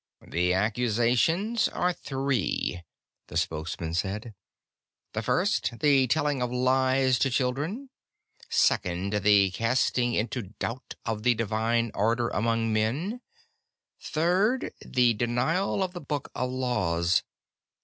"The accusations are three," the Spokesman said. "The first, the telling of lies to children. Second, the casting into doubt of the divine order among men. Third, the denial of the Book of Laws.